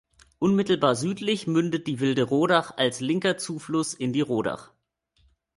Unmittelbar südlich mündet die Wilde Rodach als linker Zufluss in die Rodach.